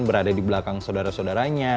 berada di belakang sodara sodaranya